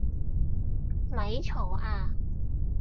咪嘈呀！